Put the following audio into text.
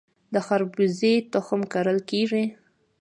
د خربوزې تخم کرل کیږي؟